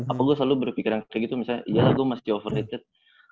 apa gua selalu berpikiran kayak gitu misalnya iya lah gua masih overrated